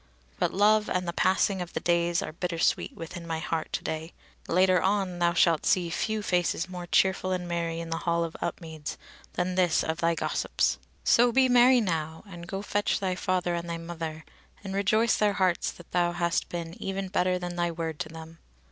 But love and the passing of the days are bittersweet within my heart to day. Later on thou shalt see few faces more cheerful and merry in the hall at Upmeads than this of thy gossip's. So be merry now, and go fetch thy father and thy mother, and rejoice their hearts that thou hast been even better than thy word to them.